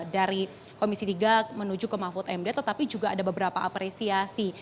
dari komisi tiga menuju ke mahfud md tetapi juga ada beberapa apresiasi